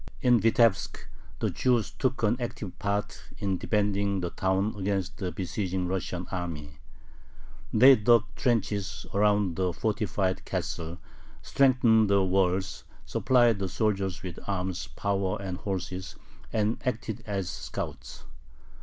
In Vitebsk the Jews took an active part in defending the town against the besieging Russian army. They dug trenches around the fortified castle, strengthened the walls, supplied the soldiers with arms, powder, and horses, and acted as scouts.